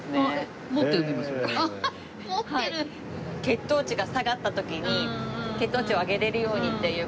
血糖値が下がった時に血糖値を上げられるようにっていう事で。